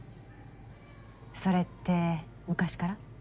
それって昔から？